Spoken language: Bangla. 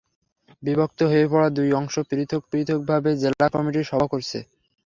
বিভক্ত হয়ে পড়া দুই অংশ পৃথক পৃথকভাবে জেলা কমিটির সভা করেছে।